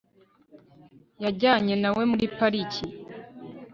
yajyanye na we muri pariki